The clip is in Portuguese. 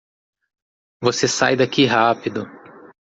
Você sai daqui rápido.